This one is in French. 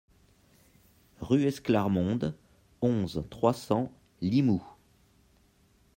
Rue Esclarmonde, onze, trois cents Limoux